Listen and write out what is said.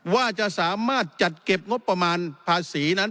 ว่าจะสามารถจัดเก็บงบประมาณภาษีนั้น